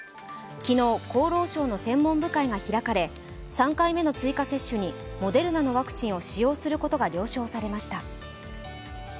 昨日、厚労省の専門部会が開かれ３回目の追加接種にモデルナのワクチンを使用することが了承されました。